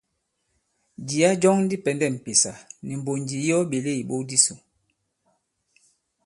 Jìya jɔŋ di pɛ̀ndɛ m̀pèsà nì mbònjì yi ɔ ɓèle ìbok disò.